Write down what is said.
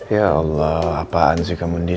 ya allah apaan sih kamu din